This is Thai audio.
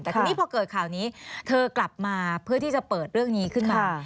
แต่ทีนี้พอเกิดข่าวนี้เธอกลับมาเพื่อที่จะเปิดเรื่องนี้ขึ้นมา